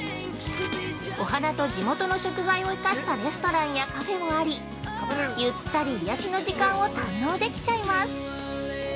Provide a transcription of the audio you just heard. お花と地元の食材を生かしたレストランやカフェもあり、ゆったり癒やしの時間を堪能できちゃいます。